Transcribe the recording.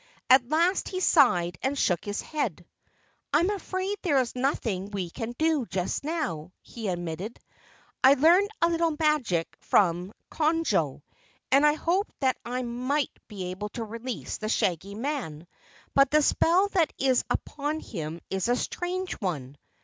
At last he sighed and shook his head. "I am afraid there is nothing we can do just now," he admitted. "I learned a little magic from Conjo, and I hoped that I might be able to release the Shaggy Man, but the spell that is upon him is a strange one.